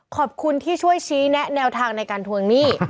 ขอบคุณที่ช่วยชี้แนะแนวทางในการทวงหนี้